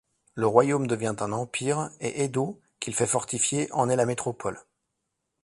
Le royaume devient un empire, et Edo, qu'il fait fortifier, en est la métropole.